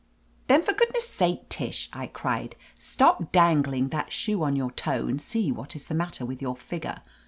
"Then for goodness sake, Tish," I cried, "stop dangling that shoe on your toe and see what is the matter with your figure.